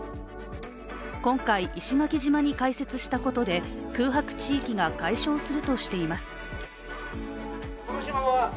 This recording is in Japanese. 今回、石垣島に開設したことで空白地域が解消するとしています。